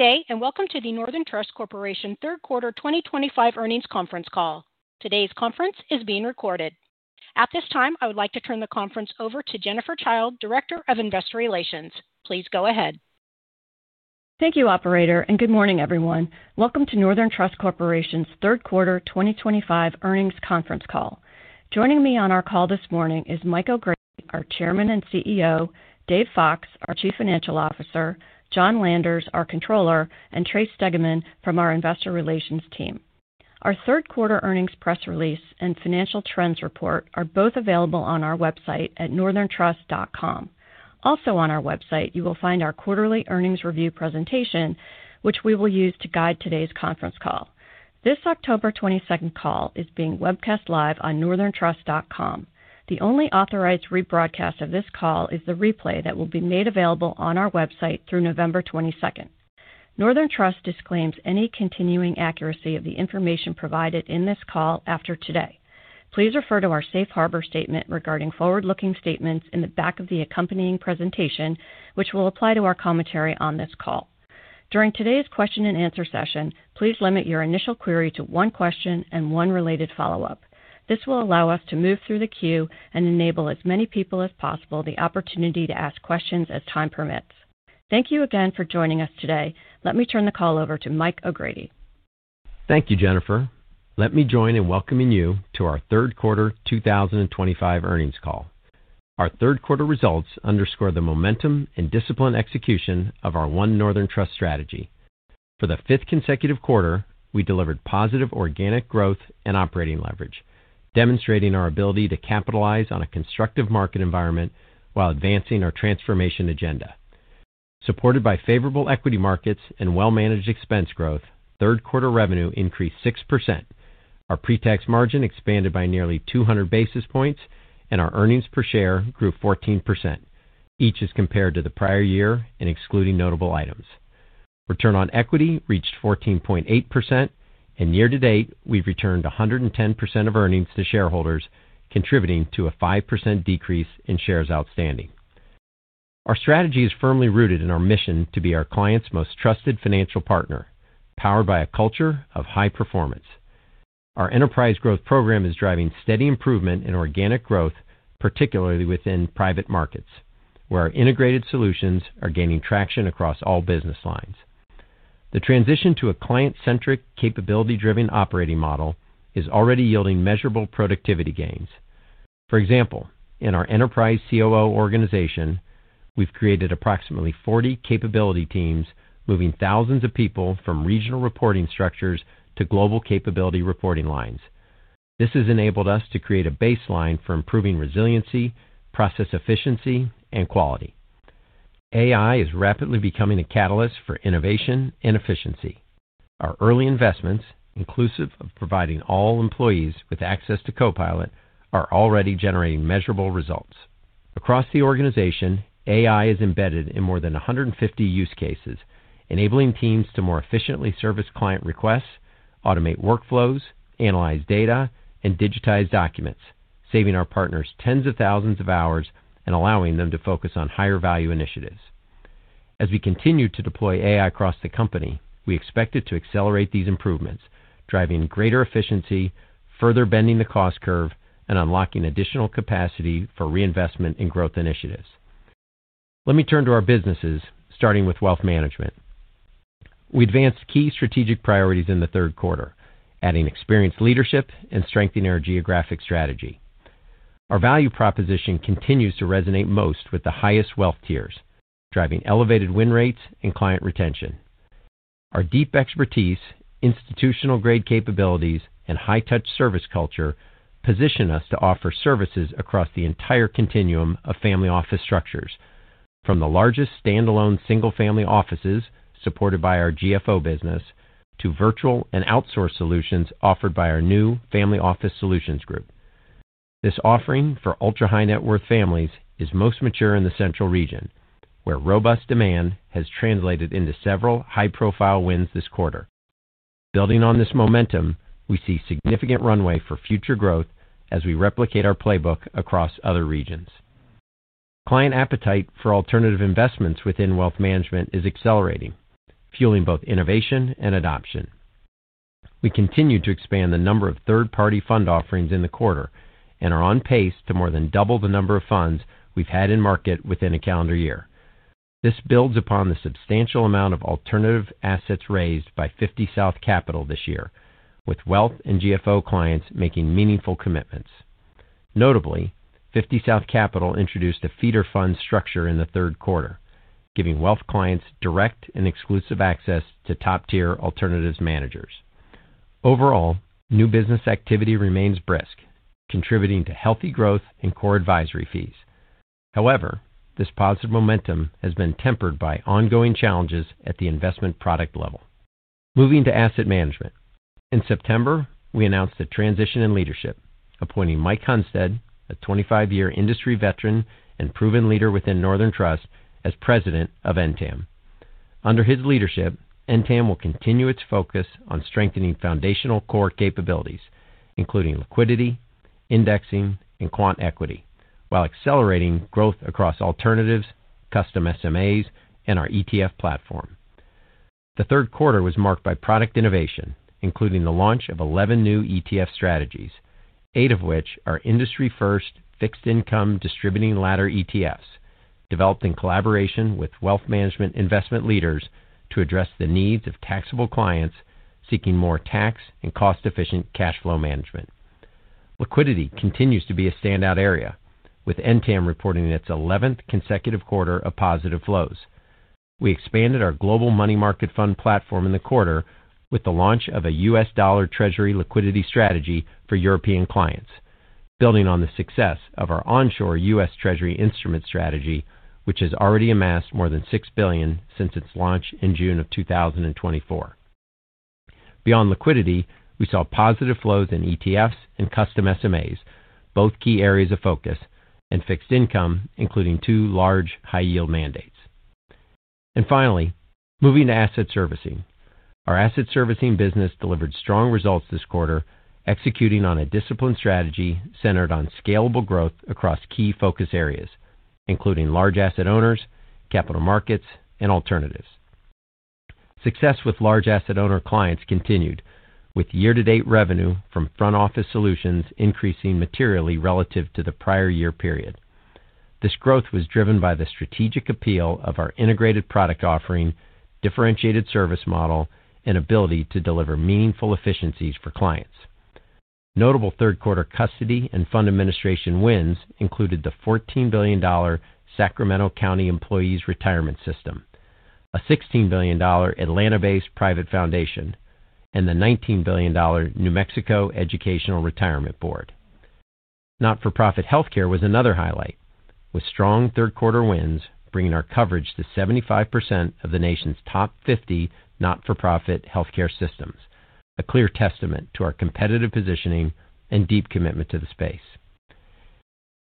Today, and welcome to the Northern Trust Corporation Third Quarter 2025 Earnings Conference Call. Today's conference is being recorded. At this time, I would like to turn the conference over to Jennifer Childe, Director of Investor Relations. Please go ahead. Thank you, Operator, and good morning, everyone. Welcome to Northern Trust Corporation's Third Quarter 2025 Earnings Conference Call. Joining me on our call this morning is Mike O’Grady, our Chairman and CEO, Dave Fox, our Chief Financial Officer, John Landers, our Controller, and Tracey Stegemann from our investor relations Team. Our Third Quarter Earnings Press Release and Financial Trends Report are both available on our website at northerntrust.com. Also on our website, you will find our Quarterly Earnings Review Presentation, which we will use to guide today's conference call. This October 22nd call is being webcast live on northerntrust.com. The only authorized rebroadcast of this call is the replay that will be made available on our website through November 22nd. Northern Trust disclaims any continuing accuracy of the information provided in this call after today. Please refer to our Safe Harbor Statement regarding forward-looking statements in the back of the accompanying presentation, which will apply to our commentary on this call. During today's question and answer session, please limit your initial query to one question and one related follow-up. This will allow us to move through the queue and enable as many people as possible the opportunity to ask questions as time permits. Thank you again for joining us today. Let me turn the call over to Mike O’Grady. Thank you, Jennifer. Let me join in welcoming you to our Third Quarter 2025 Earnings Call. Our Third Quarter results underscore the momentum and disciplined execution of our One Northern Trust strategy. For the fifth consecutive quarter, we delivered positive organic growth and operating leverage, demonstrating our ability to capitalize on a constructive market environment while advancing our transformation agenda. Supported by favorable equity markets and well-managed expense growth, Third Quarter revenue increased 6%. Our pre-tax margin expanded by nearly 200 basis points, and our earnings per share grew 14%. Each is compared to the prior year and excluding notable items. Return on equity reached 14.8%, and year to date, we've returned 110% of earnings to shareholders, contributing to a 5% decrease in shares outstanding. Our strategy is firmly rooted in our mission to be our client's most trusted financial partner, powered by a culture of high performance. Our Enterprise Growth Program is driving steady improvement in organic growth, particularly within private markets, where our integrated solutions are gaining traction across all business lines. The transition to a client-centric, capability-driven operating model is already yielding measurable productivity gains. For example, in our Enterprise COO organization, we've created approximately 40 capability teams, moving thousands of people from regional reporting structures to global capability reporting lines. This has enabled us to create a baseline for improving resiliency, process efficiency, and quality. AI is rapidly becoming a catalyst for innovation and efficiency. Our early investments, inclusive of providing all employees with access to Copilot, are already generating measurable results. Across the organization, AI is embedded in more than 150 use cases, enabling teams to more efficiently service client requests, automate workflows, analyze data, and digitize documents, saving our partners tens of thousands of hours and allowing them to focus on higher-value initiatives. As we continue to deploy AI across the company, we expect it to accelerate these improvements, driving greater efficiency, further bending the cost curve, and unlocking additional capacity for reinvestment and growth initiatives. Let me turn to our businesses, starting with Wealth Management. We advanced key strategic priorities in the third quarter, adding experienced leadership and strengthening our geographic strategy. Our value proposition continues to resonate most with the highest wealth tiers, driving elevated win rates and client retention. Our deep expertise, institutional-grade capabilities, and high-touch service culture position us to offer services across the entire continuum of family office structures, from the largest standalone single-family offices supported by our GFO business to virtual and outsourced solutions offered by our new Family Office Solutions Group. This offering for ultra-high-net-worth families is most mature in the Central Region, where robust demand has translated into several high-profile wins this quarter. Building on this momentum, we see significant runway for future growth as we replicate our playbook across other regions. Client appetite for alternative investments within Wealth Management is accelerating, fueling both innovation and adoption. We continue to expand the number of third-party fund offerings in the quarter and are on pace to more than double the number of funds we've had in market within a calendar year. This builds upon the substantial amount of alternative assets raised by 50 South Capital this year, with Wealth and GFO clients making meaningful commitments. Notably, 50 South Capital introduced a feeder fund structure in the third quarter, giving Wealth clients direct and exclusive access to top-tier alternatives managers. Overall, new business activity remains brisk, contributing to healthy growth and core advisory fees. However, this positive momentum has been tempered by ongoing challenges at the investment product level. Moving to Asset Management. In September, we announced a transition in leadership, appointing Mike Hunstad, a 25-year industry veteran and proven leader within Northern Trust, as President of NTAM. Under his leadership, NTAM will continue its focus on strengthening foundational core capabilities, including liquidity, indexing, and quant equity, while accelerating growth across alternatives, custom SMAs, and our ETF platform. The third quarter was marked by product innovation, including the launch of 11 new ETF strategies, eight of which are industry-first fixed-income distributing ladder ETFs, developed in collaboration with Wealth Management investment leaders to address the needs of taxable clients seeking more tax and cost-efficient cash flow management. Liquidity continues to be a standout area, with NTAM reporting its 11th consecutive quarter of positive flows. We expanded our Global Money Market Fund platform in the quarter with the launch of a U.S. Dollar Treasury liquidity strategy for European clients, building on the success of our onshore U.S. Treasury instrument strategy, which has already amassed more than 6 billion since its launch in June of 2024. Beyond liquidity, we saw positive flows in ETFs and custom SMAs, both key areas of focus, and fixed income, including two large high-yield mandates. Finally, moving to Asset Servicing, our Asset Servicing business delivered strong results this quarter, executing on a disciplined strategy centered on scalable growth across key focus areas, including large asset owners, capital markets, and alternatives. Success with large asset owner clients continued, with year-to-date revenue from front office solutions increasing materially relative to the prior year period. This growth was driven by the strategic appeal of our integrated product offering, differentiated service model, and ability to deliver meaningful efficiencies for clients. Notable third quarter custody and fund administration wins included the 14 billion dollar Sacramento County Employees Retirement System, a 16 billion dollar Atlanta-based private foundation, and the 19 billion dollar New Mexico Educational Retirement Board. Not-for-profit healthcare was another highlight, with strong third quarter wins bringing our coverage to 75% of the nation's top 50 not-for-profit healthcare systems, a clear testament to our competitive positioning and deep commitment to the space.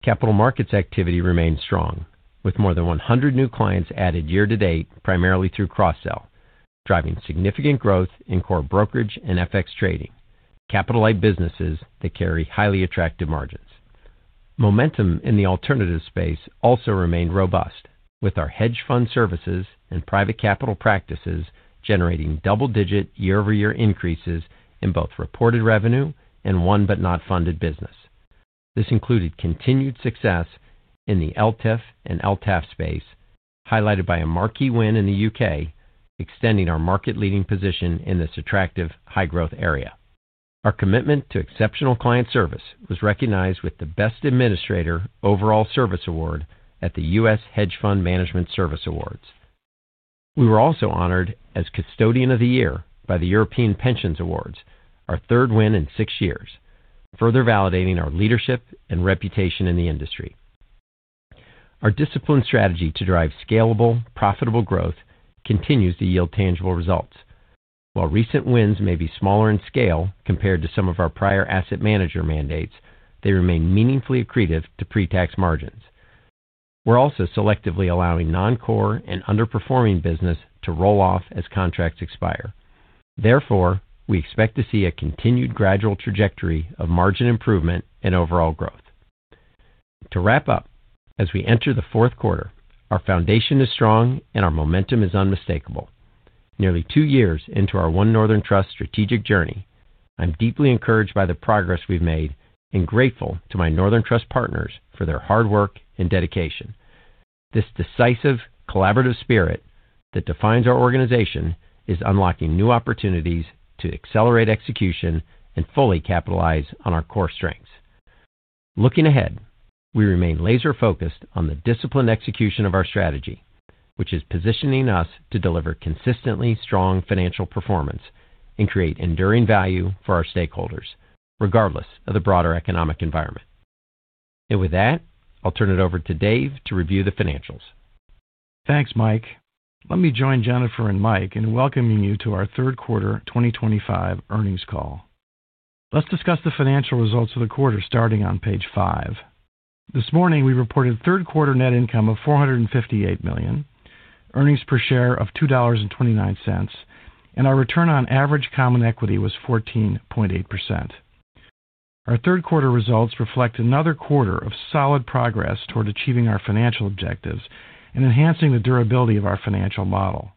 Capital markets activity remains strong, with more than 100 new clients added year to date, primarily through cross-sell, driving significant growth in core brokerage and FX trading, capital-like businesses that carry highly attractive margins. Momentum in the alternative space also remained robust, with our hedge fund services and private capital practices generating double-digit year-over-year increases in both reported revenue and one but not funded business. This included continued success in the LTAF/LTIF space, highlighted by a marquee win in the UK, extending our market-leading position in this attractive high-growth area. Our commitment to exceptional client service was recognized with the Best Administrator Overall Service Award at the U.S. Hedge Fund Management Service Awards. We were also honored as Custodian of the Year by the European Pensions Awards, our third win in six years, further validating our leadership and reputation in the industry. Our disciplined strategy to drive scalable, profitable growth continues to yield tangible results. While recent wins may be smaller in scale compared to some of our prior asset manager mandates, they remain meaningfully accretive to pre-tax margins. We're also selectively allowing non-core and underperforming business to roll off as contracts expire. Therefore, we expect to see a continued gradual trajectory of margin improvement and overall growth. To wrap up, as we enter the fourth quarter, our foundation is strong and our momentum is unmistakable. Nearly two years into our One Northern Trust strategic journey, I'm deeply encouraged by the progress we've made and grateful to my Northern Trust partners for their hard work and dedication. This decisive, collaborative spirit that defines our organization is unlocking new opportunities to accelerate execution and fully capitalize on our core strengths. Looking ahead, we remain laser-focused on the disciplined execution of our strategy, which is positioning us to deliver consistently strong financial performance and create enduring value for our stakeholders, regardless of the broader economic environment. With that, I'll turn it over to Dave to review the financials. Thanks, Mike. Let me join Jennifer and Mike in welcoming you to our Third Quarter 2025 Earnings Call. Let's discuss the financial results of the quarter, starting on page five. This morning, we reported third quarter net income of USD 458 million, earnings per share of USD 2.29, and our return on average common equity was 14.8%. Our third quarter results reflect another quarter of solid progress toward achieving our financial objectives and enhancing the durability of our financial model.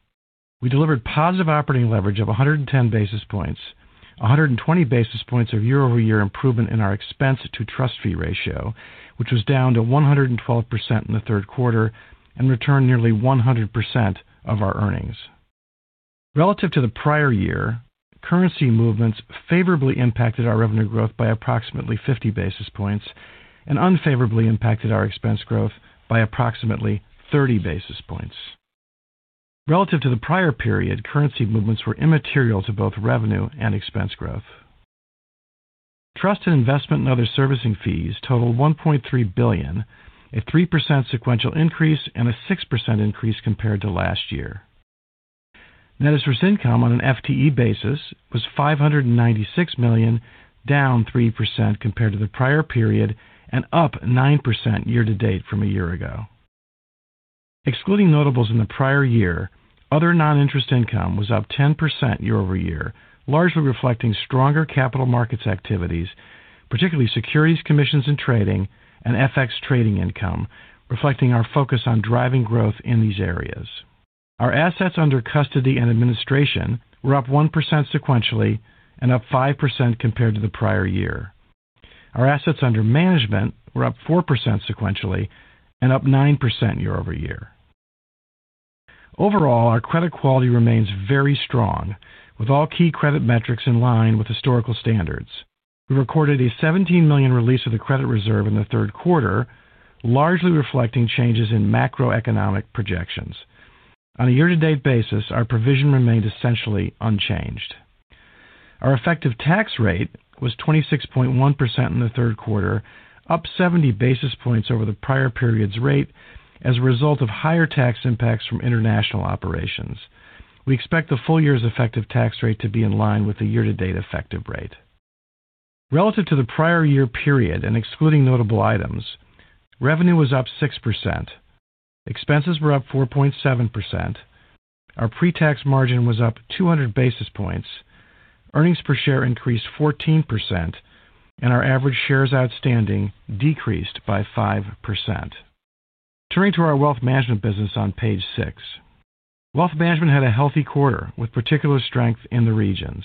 We delivered positive operating leverage of 110 basis points, 120 basis points of year-over-year improvement in our expense-to-trust fee ratio, which was down to 112% in the third quarter, and returned nearly 100% of our earnings. Relative to the prior year, currency movements favorably impacted our revenue growth by approximately 50 basis points and unfavorably impacted our expense growth by approximately 30 basis points. Relative to the prior period, currency movements were immaterial to both revenue and expense growth. Trust, investment, and other servicing fees totaled 1.3 billion, a 3% sequential increase and a 6% increase compared to last year. Net interest income on an FTE basis was 596 million, down 3% compared to the prior period and up 9% year to date from a year ago. Excluding notables in the prior year, other non-interest income was up 10% year over year, largely reflecting stronger capital markets activities, particularly securities commissions and trading, and FX trading income, reflecting our focus on driving growth in these areas. Our assets under custody and administration were up 1% sequentially and up 5% compared to the prior year. Our assets under management were up 4% sequentially and up 9% year over year. Overall, our credit quality remains very strong, with all key credit metrics in line with historical standards. We recorded a 17 million release of the credit reserve in the third quarter, largely reflecting changes in macroeconomic projections. On a year-to-date basis, our provision remained essentially unchanged. Our effective tax rate was 26.1% in the third quarter, up 70 basis points over the prior period's rate as a result of higher tax impacts from international operations. We expect the full year's effective tax rate to be in line with the year-to-date effective rate. Relative to the prior year period and excluding notable items, revenue was up 6%, expenses were up 4.7%, our pre-tax margin was up 200 basis points, earnings per share increased 14%, and our average shares outstanding decreased by 5%. Turning to our Wealth Management business on page six. Wealth Management had a healthy quarter with particular strength in the regions.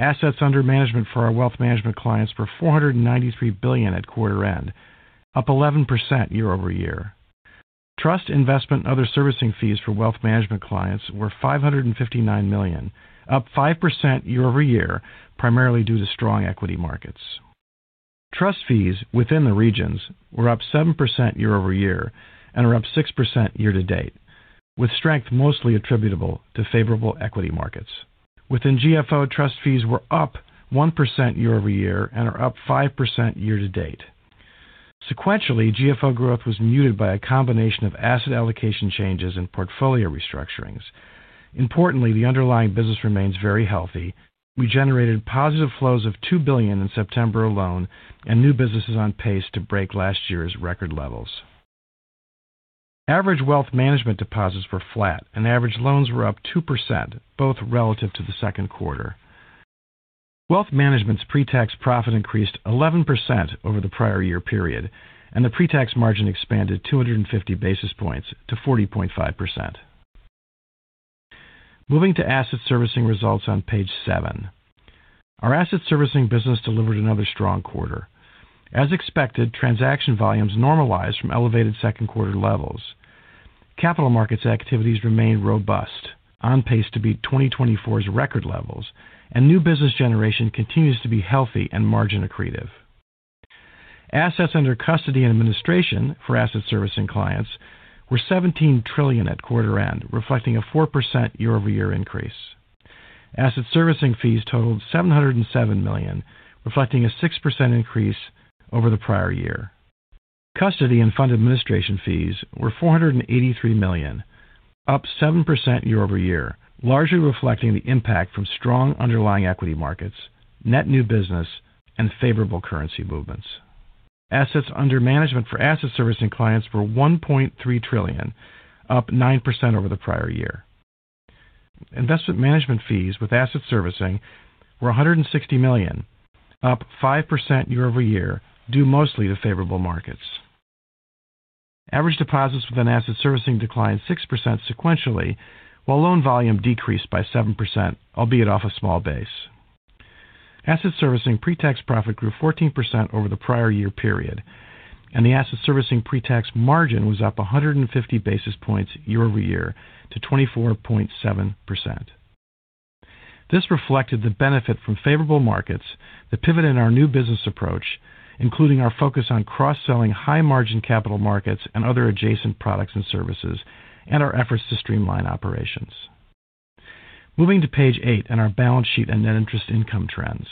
Assets under management for our Wealth Management clients were USD 493 billion at quarter end, up 11% year over year. Trust investment and other servicing fees for Wealth Management clients were 559 million, up 5% year over year, primarily due to strong equity markets. Trust fees within the regions were up 7% year over year and are up 6% year to date, with strength mostly attributable to favorable equity markets. Within GFO, trust fees were up 1% year over year and are up 5% year to date. Sequentially, GFO growth was muted by a combination of asset allocation changes and portfolio restructurings. Importantly, the underlying business remains very healthy. We generated positive flows of 2 billion in September alone, and new business is on pace to break last year's record levels. Average Wealth Management deposits were flat, and average loans were up 2%, both relative to the second quarter. Wealth Management's pre-tax profit increased 11% over the prior year period, and the pre-tax margin expanded 250 basis points to 40.5%. Moving to Asset Servicing results on page seven. Our Asset Servicing business delivered another strong quarter. As expected, transaction volumes normalized from elevated second quarter levels. Capital markets activities remain robust, on pace to beat 2024's record levels, and new business generation continues to be healthy and margin accretive. Assets under custody and administration for Asset Servicing clients were USD 17 trillion at quarter end, reflecting a 4% year-over-year increase. Asset Servicing fees totaled 707 million, reflecting a 6% increase over the prior year. Custody and fund administration fees were 483 million, up 7% year over year, largely reflecting the impact from strong underlying equity markets, net new business, and favorable currency movements. Assets under management for Asset Servicing clients were 1.3 trillion, up 9% over the prior year. Investment management fees with Asset Servicing were 160 million, up 5% year over year, due mostly to favorable markets. Average deposits within Asset Servicing declined 6% sequentially, while loan volume decreased by 7%, albeit off a small base. Asset Servicing pre-tax profit grew 14% over the prior year period, and the Asset Servicing pre-tax margin was up 150 basis points year over year to 24.7%. This reflected the benefit from favorable markets that pivoted our new business approach, including our focus on cross-selling high-margin capital markets and other adjacent products and services, and our efforts to streamline operations. Moving to page eight and our balance sheet and net interest income trends.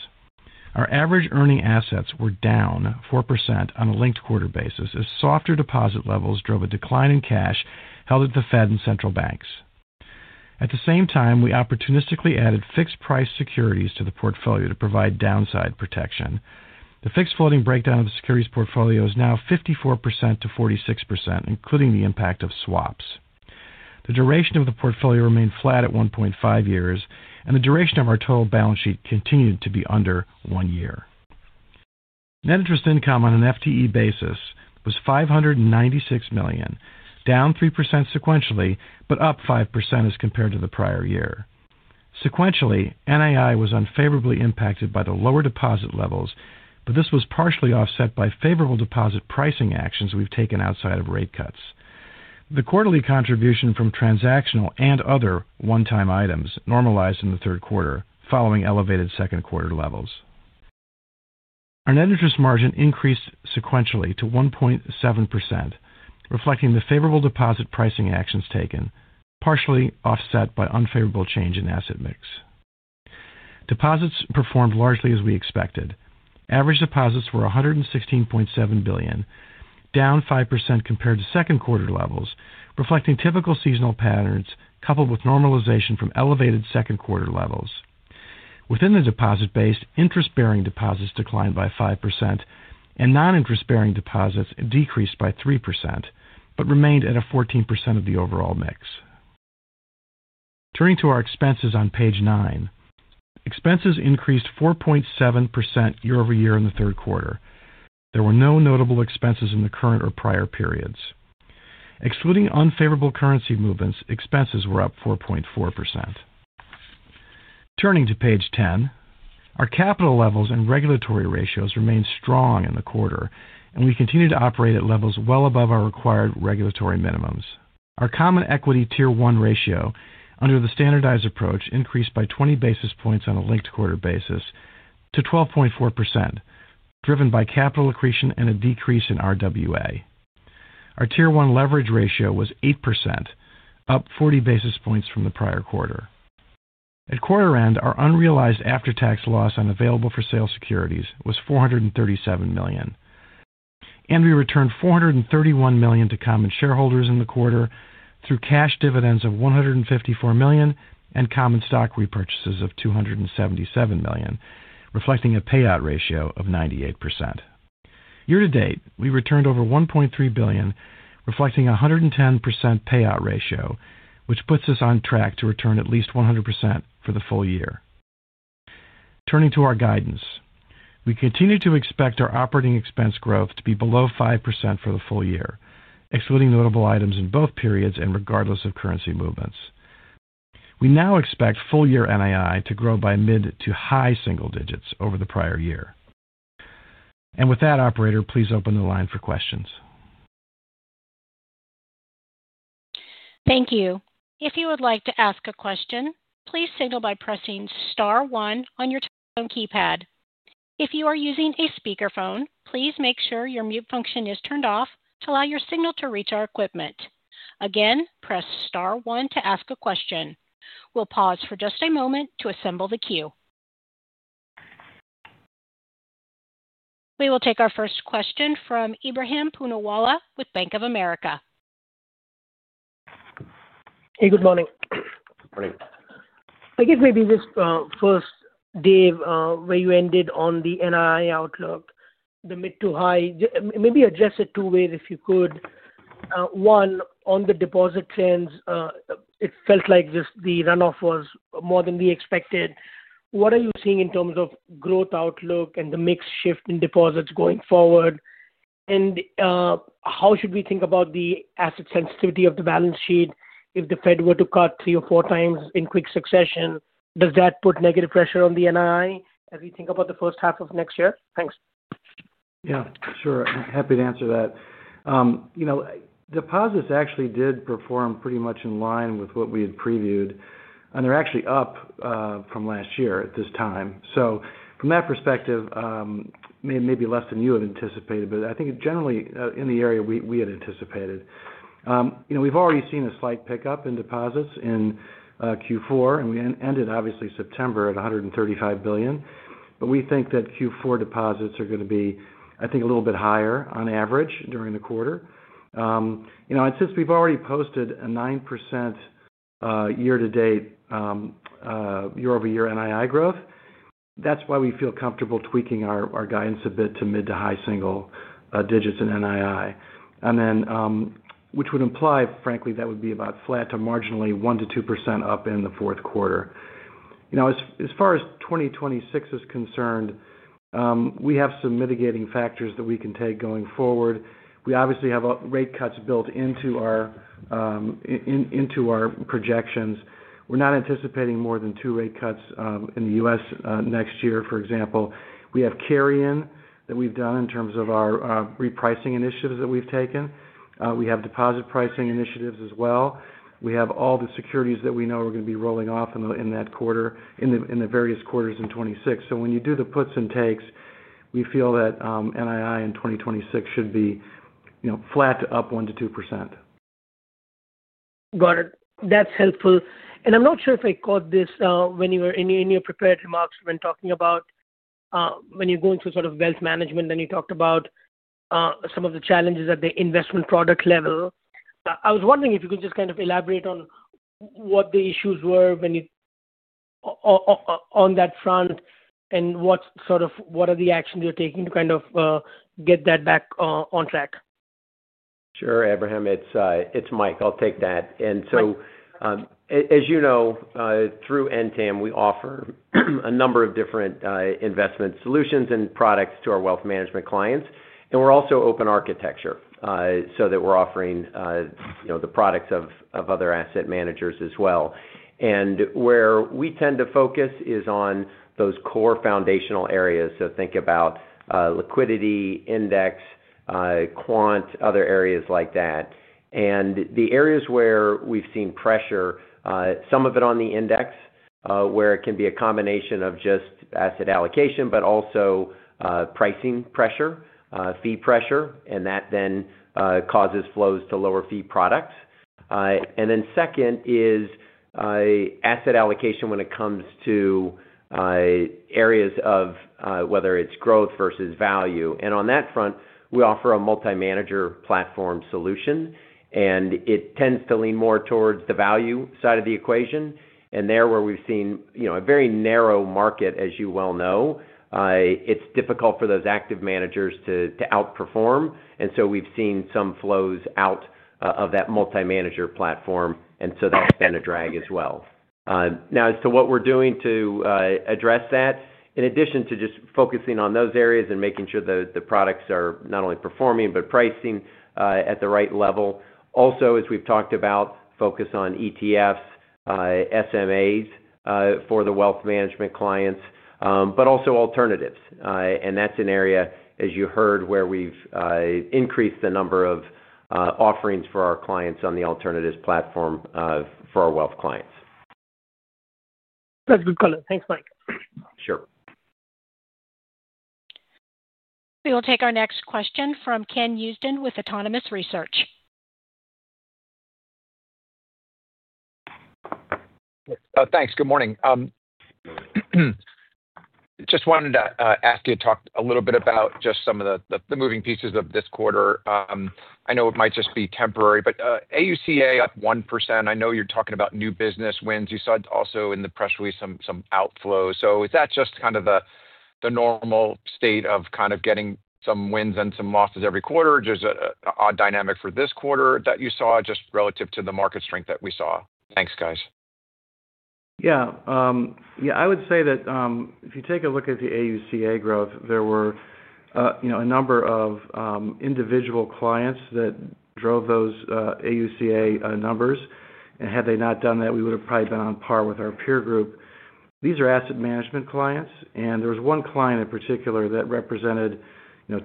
Our average earning assets were down 4% on a linked quarter basis as softer deposit levels drove a decline in cash held at the Fed and central banks. At the same time, we opportunistically added fixed-price securities to the portfolio to provide downside protection. The fixed floating breakdown of the securities portfolio is now 54% to 46%, including the impact of swaps. The duration of the portfolio remained flat at 1.5 years, and the duration of our total balance sheet continued to be under one year. Net interest income on an FTE basis was 596 million, down 3% sequentially, but up 5% as compared to the prior year. Sequentially, NII was unfavorably impacted by the lower deposit levels, but this was partially offset by favorable deposit pricing actions we've taken outside of rate cuts. The quarterly contribution from transactional and other one-time items normalized in the third quarter following elevated second quarter levels. Our net interest margin increased sequentially to 1.7%, reflecting the favorable deposit pricing actions taken, partially offset by unfavorable change in asset mix. Deposits performed largely as we expected. Average deposits were 116.7 billion, down 5% compared to second quarter levels, reflecting typical seasonal patterns coupled with normalization from elevated second quarter levels. Within the deposit base, interest-bearing deposits declined by 5%, and non-interest-bearing deposits decreased by 3%, but remained at 14% of the overall mix. Turning to our expenses on page nine. Expenses increased 4.7% year over year in the third quarter. There were no notable expenses in the current or prior periods. Excluding unfavorable currency movements, expenses were up 4.4%. Turning to page ten. Our capital levels and regulatory ratios remained strong in the quarter, and we continue to operate at levels well above our required regulatory minimums. Our common equity tier one ratio, under the standardized approach, increased by 20 basis points on a linked quarter basis to 12.4%, driven by capital accretion and a decrease in RWA. Our tier one leverage ratio was 8%, up 40 basis points from the prior quarter. At quarter end, our unrealized after-tax loss on available for sale securities was USD 437 million, and we returned USD 431 million to common shareholders in the quarter through cash dividends of USD 154 million and common stock repurchases of USD 277 million, reflecting a payout ratio of 98%. Year to date, we returned over 1.3 billion, reflecting a 110% payout ratio, which puts us on track to return at least 100% for the full year. Turning to our guidance, we continue to expect our operating expense growth to be below 5% for the full year, excluding notable items in both periods and regardless of currency movements. We now expect full-year NII to grow by mid to high single digits over the prior year. With that, Operator, please open the line for questions. Thank you. If you would like to ask a question, please signal by pressing star one on your telephone keypad. If you are using a speakerphone, please make sure your mute function is turned off to allow your signal to reach our equipment. Again, press star one to ask a question. We'll pause for just a moment to assemble the queue. We will take our first question from Ibrahim Poonawala with Bank of America. Hey, good morning. Morning. I guess maybe just, first, Dave, where you ended on the NII outlook, the mid to high, maybe address it two ways if you could. One, on the deposit trends, it felt like just the runoff was more than we expected. What are you seeing in terms of growth outlook and the mix shift in deposits going forward? How should we think about the asset sensitivity of the balance sheet if the Fed were to cut three or four times in quick succession? Does that put negative pressure on the NII as we think about the first half of next year? Thanks. Yeah, sure. I'm happy to answer that. Deposits actually did perform pretty much in line with what we had previewed, and they're actually up from last year at this time. From that perspective, maybe less than you had anticipated, but I think it's generally in the area we had anticipated. We've already seen a slight pickup in deposits in Q4, and we ended, obviously, September at 135 billion. We think that Q4 deposits are going to be, I think, a little bit higher on average during the quarter. Since we've already posted a 9% year-to-date, year-over-year NII growth, that's why we feel comfortable tweaking our guidance a bit to mid to high single digits in NII, which would imply, frankly, that would be about flat to marginally 1 to 2% up in the fourth quarter. As far as 2026 is concerned, we have some mitigating factors that we can take going forward. We obviously have rate cuts built into our projections. We're not anticipating more than two rate cuts in the U.S. next year, for example. We have carry-in that we've done in terms of our repricing initiatives that we've taken. We have deposit pricing initiatives as well. We have all the securities that we know are going to be rolling off in that quarter, in the various quarters in 2026. When you do the puts and takes, we feel that NII in 2026 should be flat to up 1-2%. Got it. That's helpful. I'm not sure if I caught this when you were in your prepared remarks. We've been talking about, when you're going through sort of wealth management, and you talked about some of the challenges at the investment product level. I was wondering if you could just kind of elaborate on what the issues were when you on that front and what sort of actions you're taking to kind of get that back on track? Sure, Ibrahim, it's Mike. I'll take that. As you know, through NTAM, we offer a number of different investment solutions and products to our wealth management clients. We're also open architecture, so that we're offering the products of other asset managers as well. We tend to focus on those core foundational areas. Think about liquidity, index, quant, other areas like that. The areas where we've seen pressure, some of it on the index, where it can be a combination of just asset allocation, but also pricing pressure, fee pressure, and that then causes flows to lower fee products. The second is asset allocation when it comes to areas of whether it's growth versus value. On that front, we offer a multi-manager platform solution, and it tends to lean more towards the value side of the equation. There, where we've seen a very narrow market, as you well know, it's difficult for those active managers to outperform. We've seen some flows out of that multi-manager platform, and that's been a drag as well. Now, as to what we're doing to address that, in addition to just focusing on those areas and making sure that the products are not only performing but pricing at the right level, also, as we've talked about, focus on ETFs, SMAs for the wealth management clients, but also alternatives. That's an area, as you heard, where we've increased the number of offerings for our clients on the alternatives platform for our wealth clients. That's a good call. Thanks, Mike. Sure. We will take our next question from Ken Houston with Autonomous Research. Thanks. Good morning. Just wanted to ask you to talk a little bit about just some of the moving pieces of this quarter. I know it might just be temporary, but AUCA up 1%. I know you're talking about new business wins. You saw also in the press release some outflows. Is that just kind of the normal state of kind of getting some wins and some losses every quarter? Just an odd dynamic for this quarter that you saw just relative to the market strength that we saw? Thanks, guys. Yeah. Yeah, I would say that if you take a look at the AUCA growth, there were a number of individual clients that drove those AUCA numbers. Had they not done that, we would have probably been on par with our peer group. These are asset management clients, and there was one client in particular that represented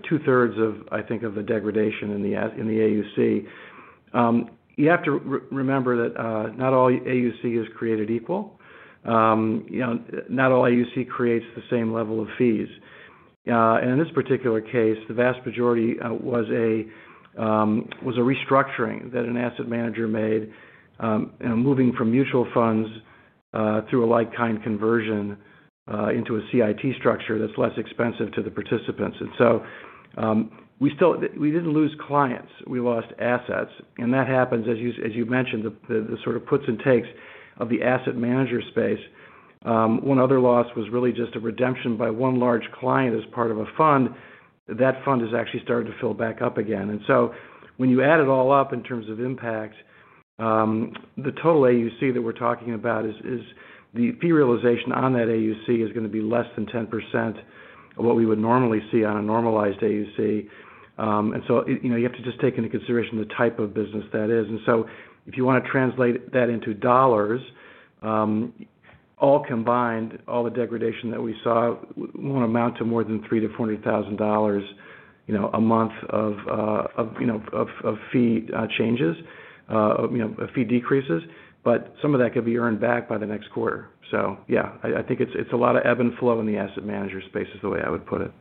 two-thirds, I think, of the degradation in the AUC. You have to remember that not all AUC is created equal. Not all AUC creates the same level of fees. In this particular case, the vast majority was a restructuring that an asset manager made, moving from mutual funds through a like-kind conversion into a CIT structure that's less expensive to the participants. We still didn't lose clients. We lost assets. That happens, as you mentioned, the sort of puts and takes of the asset manager space. One other loss was really just a redemption by one large client as part of a fund. That fund is actually starting to fill back up again. When you add it all up in terms of impact, the total AUC that we're talking about is the fee realization on that AUC is going to be less than 10% of what we would normally see on a normalized AUC. You have to just take into consideration the type of business that is. If you want to translate that into dollars, all combined, all the degradation that we saw won't amount to more than 300,000-400,000 dollars a month of fee changes, fee decreases. Some of that could be earned back by the next quarter. Yeah, I think it's a lot of ebb and flow in the asset manager space is the way I would put it.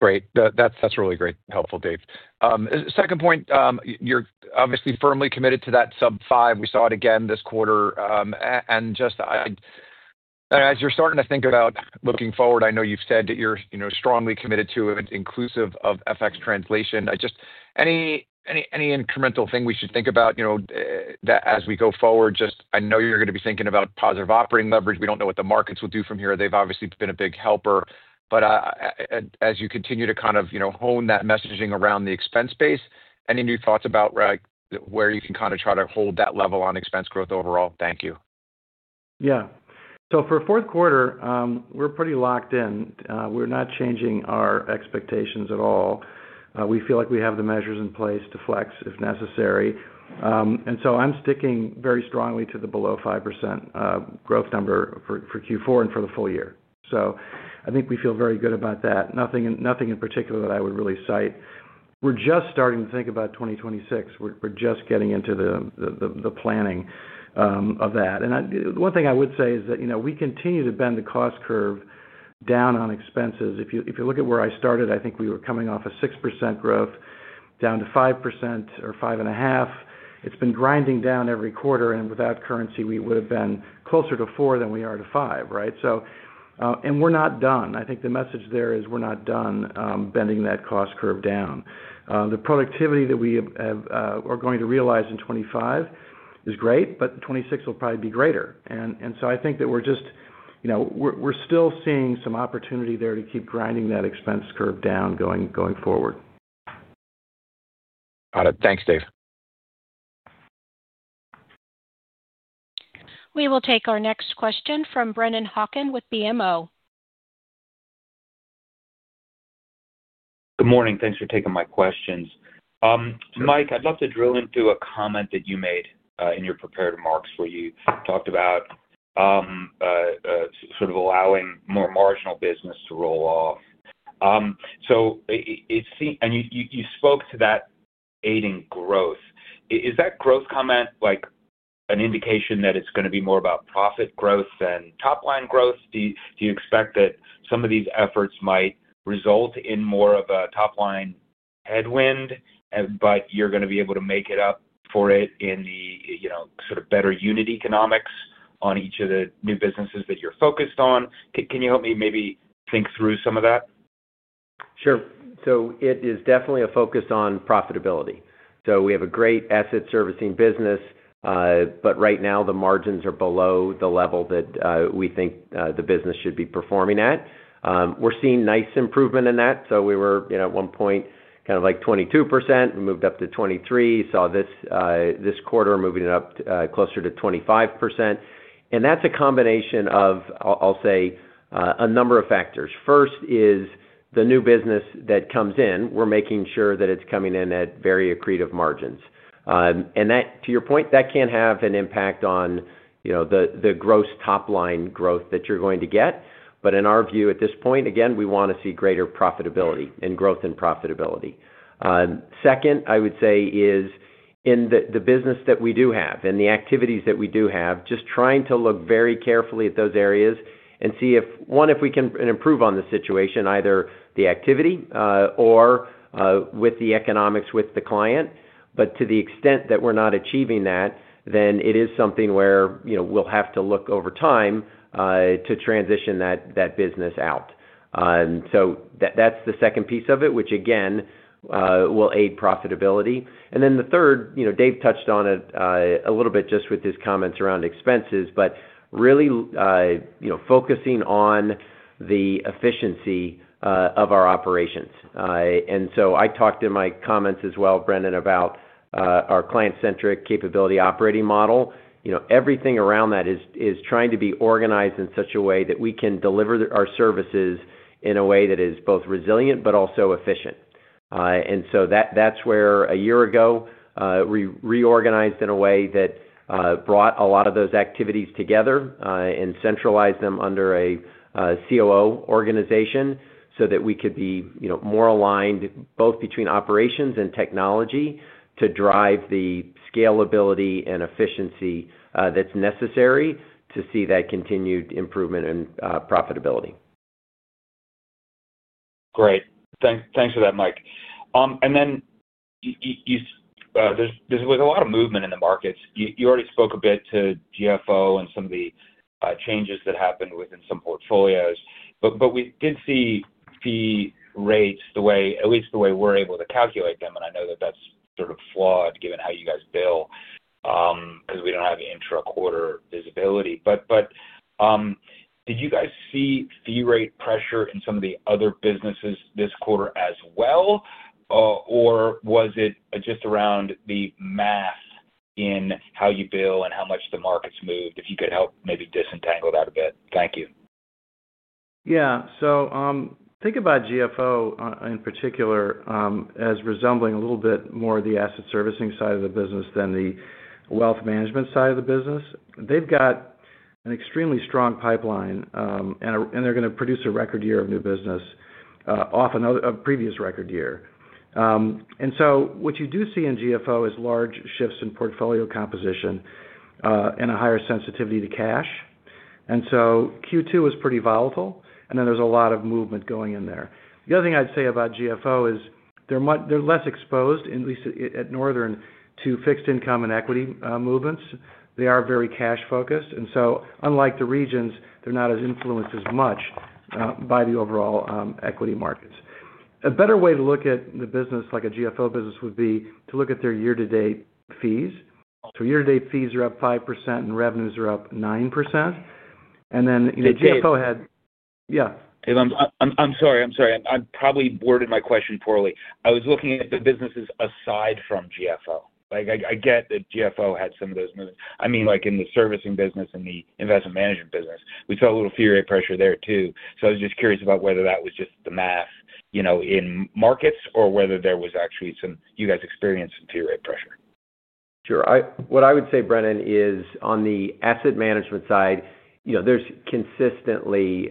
Great. That's really great, helpful, Dave. Second point, you're obviously firmly committed to that sub five. We saw it again this quarter. As you're starting to think about looking forward, I know you've said that you're strongly committed to it, inclusive of FX translation. Any incremental thing we should think about as we go forward? I know you're going to be thinking about positive operating leverage. We don't know what the markets will do from here. They've obviously been a big helper. As you continue to hone that messaging around the expense space, any new thoughts about where you can try to hold that level on expense growth overall? Thank you. Yeah. For the fourth quarter, we're pretty locked in. We're not changing our expectations at all. We feel like we have the measures in place to flex if necessary. I'm sticking very strongly to the below 5% growth number for Q4 and for the full year. I think we feel very good about that. Nothing in particular that I would really cite. We're just starting to think about 2026. We're just getting into the planning of that. One thing I would say is that we continue to bend the cost curve down on expenses. If you look at where I started, I think we were coming off a 6% growth down to 5% or 5.5%. It's been grinding down every quarter. Without currency, we would have been closer to 4% than we are to 5%, right? We're not done. I think the message there is we're not done bending that cost curve down. The productivity that we are going to realize in 2025 is great, but 2026 will probably be greater. I think that we're just still seeing some opportunity there to keep grinding that expense curve down going forward. Got it. Thanks, Dave. We will take our next question from Brennan Hawken with BMO. Good morning. Thanks for taking my questions. Mike, I'd love to drill into a comment that you made in your prepared remarks where you talked about allowing more marginal business to roll off. It seemed, and you spoke to that aiding growth. Is that growth comment like an indication that it's going to be more about profit growth than top-line growth? Do you expect that some of these efforts might result in more of a top-line headwind, but you're going to be able to make it up for it in the better unit economics on each of the new businesses that you're focused on? Can you help me maybe think through some of that? Sure. It is definitely a focus on profitability. We have a great asset servicing business, but right now the margins are below the level that we think the business should be performing at. We're seeing nice improvement in that. We were at one point kind of like 22%. We moved up to 23%. We saw this quarter moving it up closer to 25%. That's a combination of a number of factors. First is the new business that comes in. We're making sure that it's coming in at very accretive margins, and to your point, that can have an impact on the gross top-line growth that you're going to get. In our view at this point, we want to see greater profitability and growth in profitability. Second, I would say, is in the business that we do have and the activities that we do have, just trying to look very carefully at those areas and see if we can improve on the situation, either the activity or the economics with the client. To the extent that we're not achieving that, then it is something where we'll have to look over time to transition that business out. That's the second piece of it, which again will aid profitability. The third, Dave touched on it a little bit just with his comments around expenses, but really focusing on the efficiency of our operations. I talked in my comments as well, Brennan, about our client-centric, capability-driven operating model. Everything around that is trying to be organized in such a way that we can deliver our services in a way that is both resilient but also efficient. That's where a year ago, we reorganized in a way that brought a lot of those activities together and centralized them under a COO organization so that we could be more aligned both between operations and technology to drive the scalability and efficiency that's necessary to see that continued improvement in profitability. Great. Thanks for that, Mike. There's a lot of movement in the markets. You already spoke a bit to GFO and some of the changes that happened within some portfolios. We did see fee rates, at least the way we're able to calculate them. I know that's sort of flawed given how you guys bill, because we don't have intra-quarter visibility. Did you guys see fee rate pressure in some of the other businesses this quarter as well, or was it just around the math in how you bill and how much the market's moved? If you could help maybe disentangle that a bit. Thank you. Yeah. Think about GFO in particular as resembling a little bit more of the asset servicing side of the business than the wealth management side of the business. They've got an extremely strong pipeline, and they're going to produce a record year of new business, off another previous record year. What you do see in GFO is large shifts in portfolio composition, and a higher sensitivity to cash. Q2 is pretty volatile, and there's a lot of movement going in there. The other thing I'd say about GFO is they're less exposed, at least at Northern Trust, to fixed income and equity movements. They are very cash-focused. Unlike the regions, they're not as influenced as much by the overall equity markets. A better way to look at the business, like a GFO business, would be to look at their year-to-date fees. Year-to-date fees are up 5% and revenues are up 9%. You know, GFO had. I'm sorry. I probably worded my question poorly. I was looking at the businesses aside from GFO. I get that GFO had some of those movements. I mean, in the servicing business and the investment management business, we saw a little fee rate pressure there too. I was just curious about whether that was just the math in markets or whether you guys experienced some fee rate pressure. What I would say, Brennan, is on the asset management side, there's consistently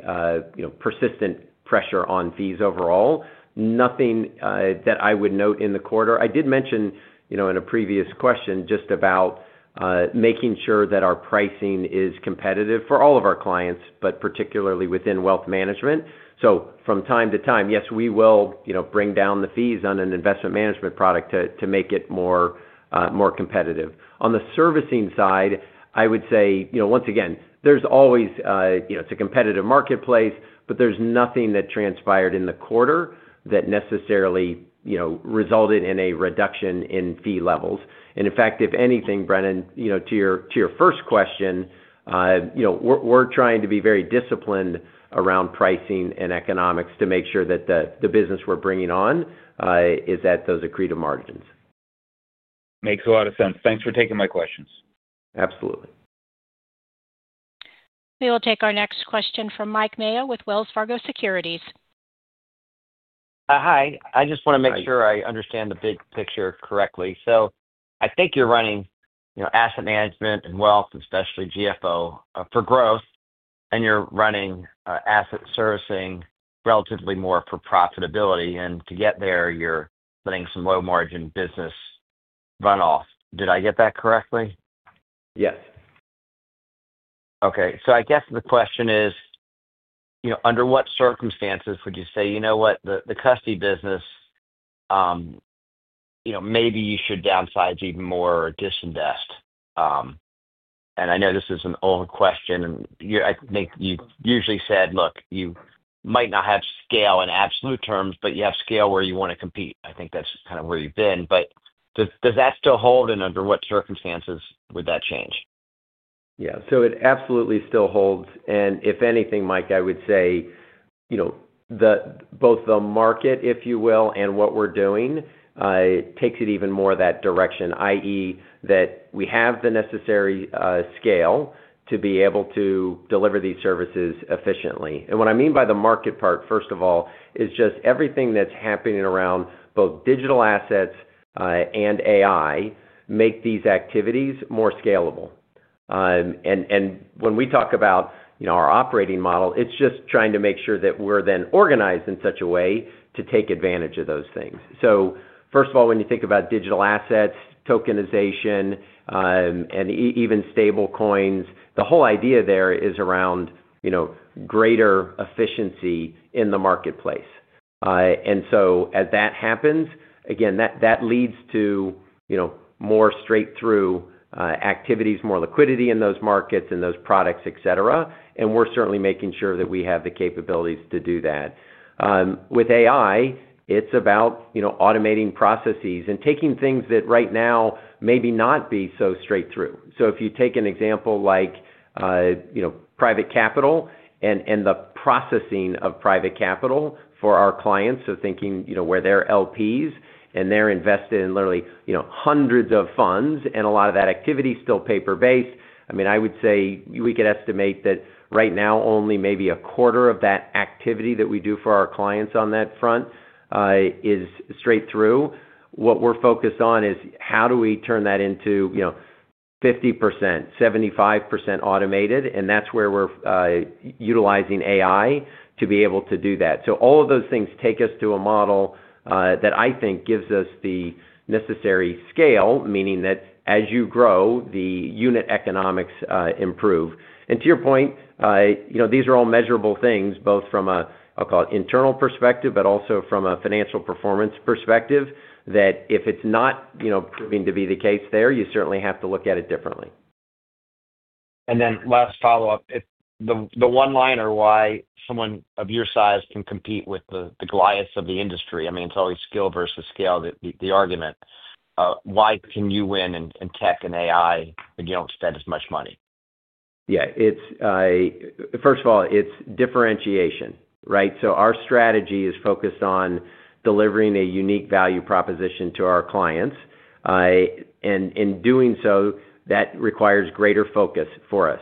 persistent pressure on fees overall. Nothing that I would note in the quarter. I did mention in a previous question just about making sure that our pricing is competitive for all of our clients, but particularly within wealth management. From time to time, yes, we will bring down the fees on an investment management product to make it more competitive. On the servicing side, I would say once again, it's a competitive marketplace, but there's nothing that transpired in the quarter that necessarily resulted in a reduction in fee levels. In fact, if anything, Brennan, to your first question, we're trying to be very disciplined around pricing and economics to make sure that the business we're bringing on is at those accretive margins. Makes a lot of sense. Thanks for taking my questions. Absolutely. We will take our next question from Mike Mayo with Wells Fargo Securities. Hi. I just want to make sure I understand the big picture correctly. I think you're running, you know, asset management and wealth, especially GFO, for growth, and you're running asset servicing relatively more for profitability. To get there, you're letting some low margin business run off. Did I get that correctly? Yes. Okay. So I guess the question is, you know, under what circumstances would you say, you know what, the custody business, you know, maybe you should downsize even more or disinvest? I know this is an old question, and I think you usually said, look, you might not have scale in absolute terms, but you have scale where you want to compete. I think that's kind of where you've been. Does that still hold, and under what circumstances would that change? Yeah. It absolutely still holds. If anything, Mike, I would say, you know, both the market, if you will, and what we're doing, takes it even more that direction, i.e., that we have the necessary scale to be able to deliver these services efficiently. What I mean by the market part, first of all, is just everything that's happening around both digital assets and AI make these activities more scalable. When we talk about our operating model, it's just trying to make sure that we're then organized in such a way to take advantage of those things. First of all, when you think about digital assets, tokenization, and even stable coins, the whole idea there is around greater efficiency in the marketplace. As that happens, again, that leads to more straight-through activities, more liquidity in those markets and those products, etc. We're certainly making sure that we have the capabilities to do that. With AI, it's about automating processes and taking things that right now maybe not be so straight through. If you take an example like private capital and the processing of private capital for our clients, so thinking where they're LPs and they're invested in literally hundreds of funds, a lot of that activity is still paper-based. I would say we could estimate that right now only maybe a quarter of that activity that we do for our clients on that front is straight through. What we're focused on is how do we turn that into 50%-75% automated. That's where we're utilizing AI to be able to do that. All of those things take us to a model that I think gives us the necessary scale, meaning that as you grow, the unit economics improve. To your point, these are all measurable things, both from an internal perspective, but also from a financial performance perspective that if it's not proving to be the case there, you certainly have to look at it differently. If the one-liner why someone of your size can compete with the Goliaths of the industry, I mean, it's always skill versus scale, the argument. Why can you win in tech and AI, but you don't spend as much money? Yeah. First of all, it's differentiation, right? Our strategy is focused on delivering a unique value proposition to our clients, and in doing so, that requires greater focus for us.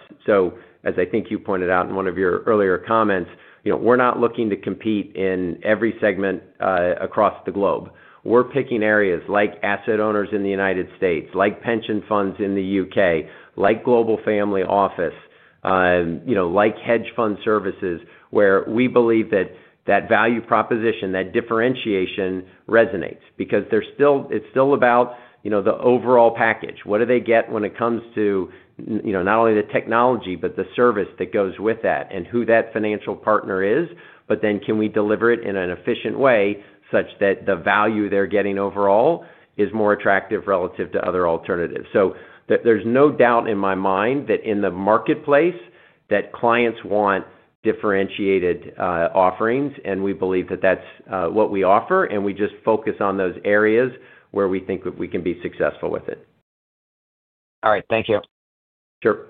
As I think you pointed out in one of your earlier comments, we're not looking to compete in every segment across the globe. We're picking areas like asset owners in the United States, like pension funds in the UK, like global family office, like hedge fund services where we believe that value proposition, that differentiation resonates because it's still about the overall package. What do they get when it comes to not only the technology, but the service that goes with that and who that financial partner is? Can we deliver it in an efficient way such that the value they're getting overall is more attractive relative to other alternatives? There's no doubt in my mind that in the marketplace clients want differentiated offerings, and we believe that's what we offer. We just focus on those areas where we think we can be successful with it. All right, thank you. Sure.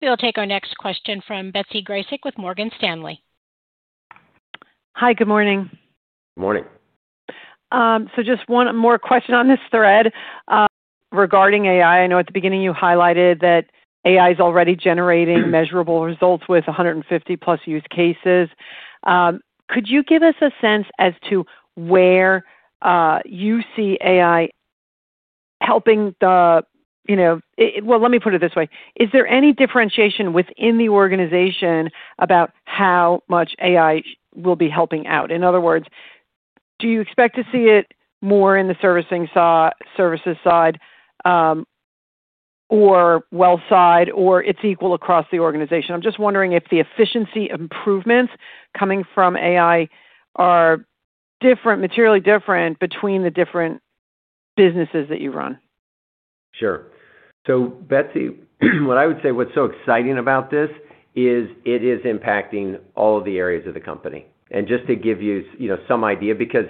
We will take our next question from Betsy Graseck with Morgan Stanley. Hi. Good morning. Morning. Just one more question on this thread regarding AI. I know at the beginning you highlighted that AI is already generating measurable results with 150-plus use cases. Could you give us a sense as to where you see AI helping the, is there any differentiation within the organization about how much AI will be helping out? In other words, do you expect to see it more in the services side or wealth side, or it's equal across the organization? I'm just wondering if the efficiency improvements coming from AI are different, materially different between the different businesses that you run. Sure. Betsy, what I would say, what's so exciting about this is it is impacting all of the areas of the company. Just to give you some idea, because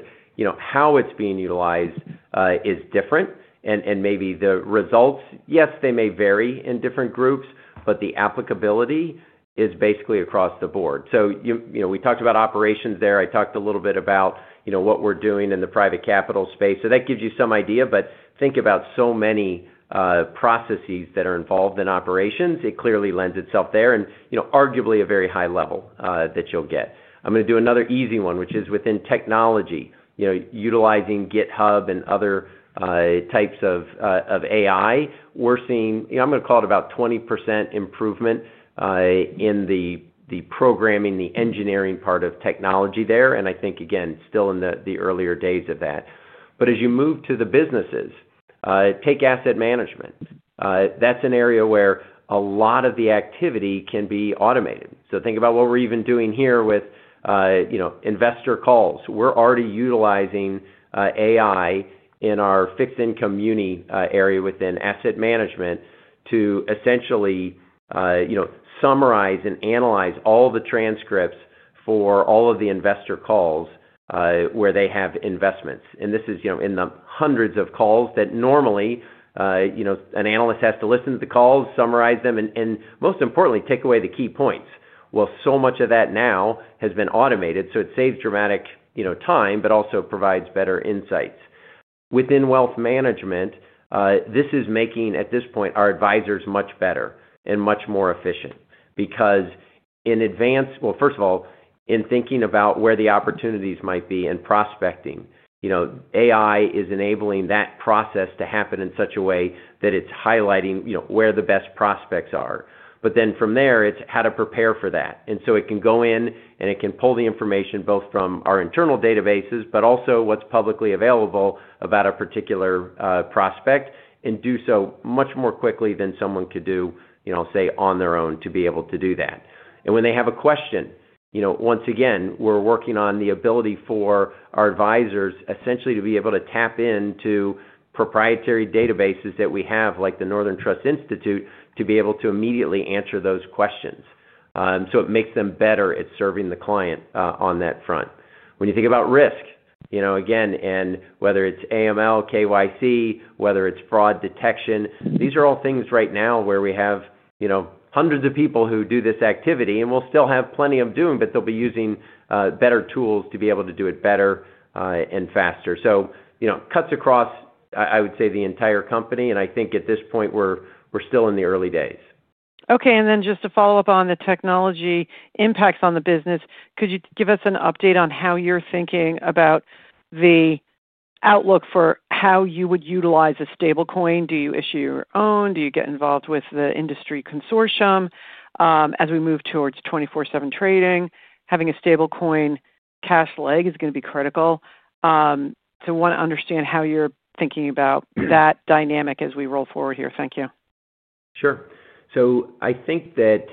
how it's being utilized is different, and maybe the results, yes, they may vary in different groups, but the applicability is basically across the board. We talked about operations there. I talked a little bit about what we're doing in the private capital space, so that gives you some idea. Think about so many processes that are involved in operations. It clearly lends itself there, and arguably a very high level that you'll get. I'm going to do another easy one, which is within technology, utilizing GitHub and other types of AI. We're seeing, I'm going to call it about 20% improvement in the programming, the engineering part of technology there. I think, again, still in the earlier days of that. As you move to the businesses, take asset management. That's an area where a lot of the activity can be automated. Think about what we're even doing here with investor calls. We're already utilizing AI in our fixed income muni area within asset management to essentially summarize and analyze all the transcripts for all of the investor calls where they have investments. This is in the hundreds of calls that normally an analyst has to listen to, summarize them, and most importantly, take away the key points. So much of that now has been automated. It saves dramatic time, but also provides better insights. Within wealth management, this is making, at this point, our advisors much better and much more efficient because in advance, first of all, in thinking about where the opportunities might be and prospecting, AI is enabling that process to happen in such a way that it's highlighting where the best prospects are. From there, it's how to prepare for that. It can go in and it can pull the information both from our internal databases, but also what's publicly available about a particular prospect and do so much more quickly than someone could do on their own to be able to do that. When they have a question, we're working on the ability for our advisors essentially to be able to tap into proprietary databases that we have like the Northern Trust Institute to be able to immediately answer those questions. It makes them better at serving the client on that front. When you think about risk, whether it's AML, KYC, or fraud detection, these are all things right now where we have hundreds of people who do this activity, and we'll still have plenty of them doing it, but they'll be using better tools to be able to do it better and faster. It cuts across, I would say, the entire company. I think at this point, we're still in the early days. Okay. Just to follow up on the technology impacts on the business, could you give us an update on how you're thinking about the outlook for how you would utilize a stablecoin? Do you issue your own? Do you get involved with the industry consortium, as we move towards 24/7 trading? Having a stablecoin cash leg is going to be critical. I want to understand how you're thinking about that dynamic as we roll forward here. Thank you. Sure. I think that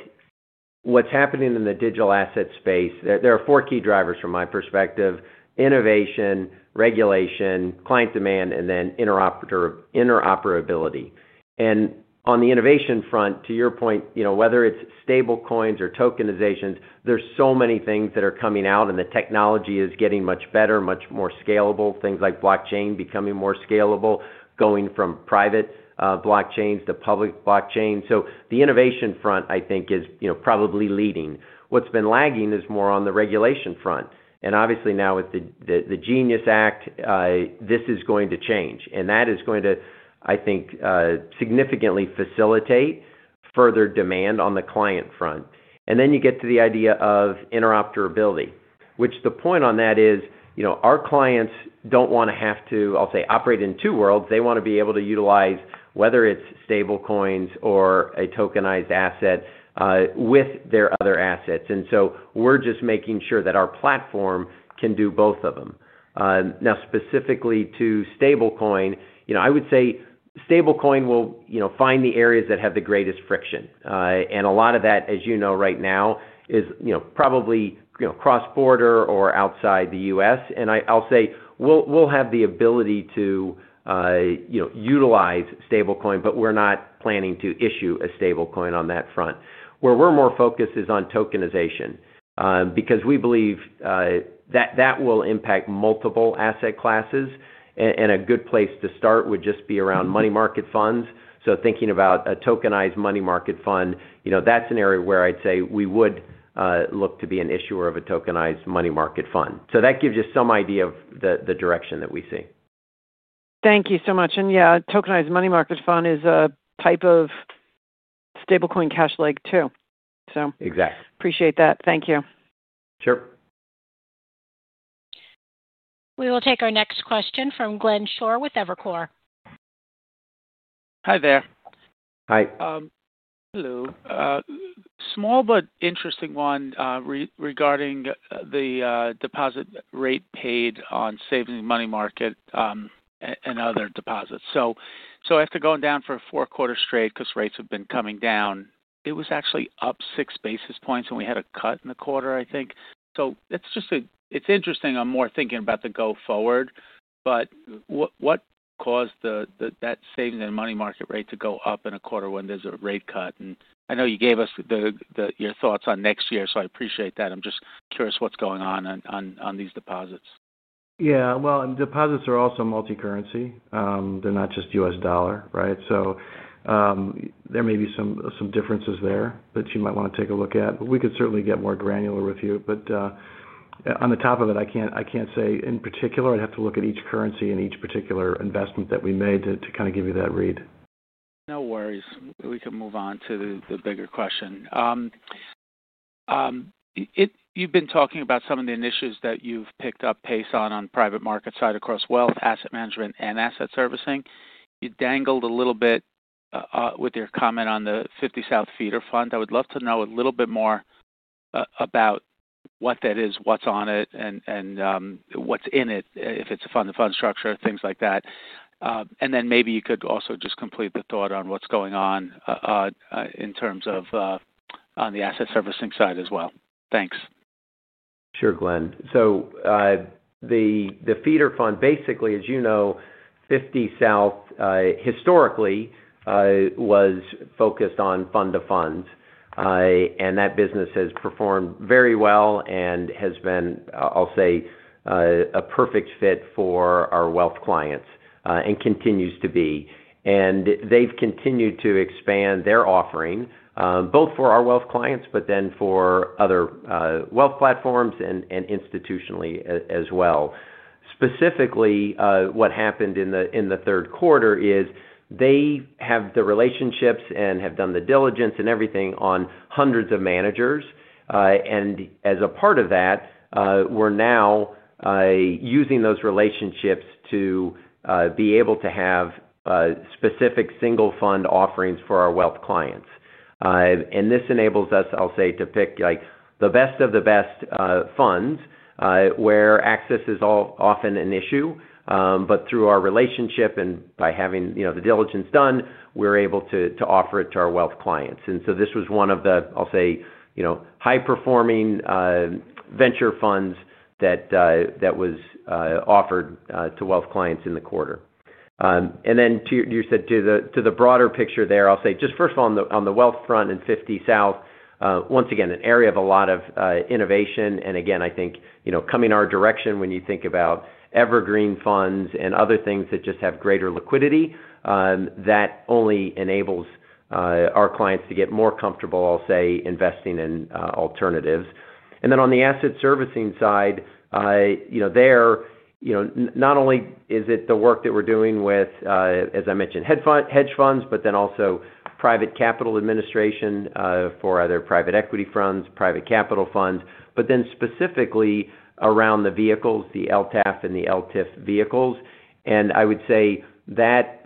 what's happening in the digital asset space, there are four key drivers from my perspective: innovation, regulation, client demand, and interoperability. On the innovation front, to your point, whether it's stablecoins or tokenization, there are so many things that are coming out, and the technology is getting much better, much more scalable. Things like blockchain becoming more scalable, going from private blockchains to public blockchains. The innovation front, I think, is probably leading. What's been lagging is more on the regulation front. Obviously, now with the GENIUS Act, this is going to change. That is going to, I think, significantly facilitate further demand on the client front. You get to the idea of interoperability, which the point on that is, our clients don't want to have to operate in two worlds. They want to be able to utilize whether it's stablecoins or a tokenized asset with their other assets. We're just making sure that our platform can do both of them. Now specifically to stablecoin, I would say stablecoin will find the areas that have the greatest friction. A lot of that, as you know, right now is probably cross-border or outside the U.S. I'll say we'll have the ability to utilize stablecoin, but we're not planning to issue a stablecoin on that front. Where we're more focused is on tokenization, because we believe that will impact multiple asset classes. A good place to start would just be around money market funds. Thinking about a tokenized money market fund, that's an area where I'd say we would look to be an issuer of a tokenized money market fund. That gives you some idea of the direction that we see. Thank you so much. Yeah, a tokenized money market fund is a type of stablecoin cash leg too. Exactly. Appreciate that. Thank you. Sure. We will take our next question from Glenn Schorr with Evercore. Hi there. Hi. Hello. Small but interesting one regarding the deposit rate paid on savings, money market, and other deposits. After going down for four quarters straight because rates have been coming down, it was actually up 6 basis points and we had a cut in the quarter, I think. That's interesting. I'm more thinking about the go-forward. What caused that savings and money market rate to go up in a quarter when there's a rate cut? I know you gave us your thoughts on next year, so I appreciate that. I'm just curious what's going on on these deposits. Deposits are also multi-currency. They're not just U.S. dollar, right? There may be some differences there that you might want to take a look at. We could certainly get more granular with you. On the top of it, I can't say in particular. I'd have to look at each currency and each particular investment that we made to kind of give you that read. No worries. We can move on to the bigger question. You've been talking about some of the initiatives that you've picked up pace on the private market side across wealth, asset management, and asset servicing. You dangled a little bit with your comment on the 50 South Capital feeder fund. I would love to know a little bit more about what that is, what's on it, and what's in it, if it's a fund-to-fund structure, things like that. Maybe you could also just complete the thought on what's going on in terms of the asset servicing side as well. Thanks. Sure, Glenn. The feeder fund, basically, as you know, 50 South historically was focused on fund-of-funds. That business has performed very well and has been, I'll say, a perfect fit for our wealth clients and continues to be. They've continued to expand their offering both for our wealth clients, but then for other wealth platforms and institutionally as well. Specifically, what happened in the third quarter is they have the relationships and have done the diligence and everything on hundreds of managers. As a part of that, we're now using those relationships to be able to have specific single-fund offerings for our wealth clients. This enables us, I'll say, to pick like the best of the best funds where access is often an issue. Through our relationship and by having the diligence done, we're able to offer it to our wealth clients. This was one of the, I'll say, high-performing venture funds that was offered to wealth clients in the quarter. You said to the broader picture there, I'll say just first of all, on the wealth front and 50 South, once again, an area of a lot of innovation. I think, you know, coming our direction when you think about evergreen funds and other things that just have greater liquidity, that only enables our clients to get more comfortable, I'll say, investing in alternatives. On the asset servicing side, not only is it the work that we're doing with, as I mentioned, hedge funds, but also private capital administration for either private equity funds, private capital funds, but then specifically around the vehicles, the LTAF and the LTIF vehicles. I would say that